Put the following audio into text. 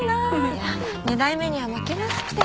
いや二代目には負けますって。